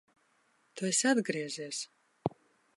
Tu esi atgriezies!